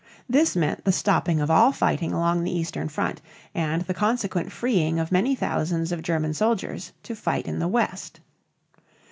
This meant the stopping of all fighting along the eastern front and the consequent freeing of many thousands of German soldiers to fight in the west.